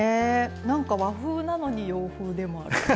なんか和風なのに洋風でもある。